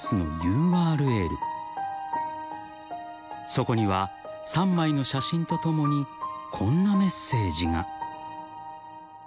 ［そこには３枚の写真と共にこんなメッセージが］